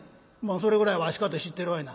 「それぐらいわしかて知ってるわいな」。